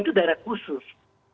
itu daerah khusus